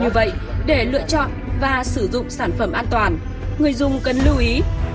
như vậy để lựa chọn và sử dụng sản phẩm an toàn người dùng cần lưu ý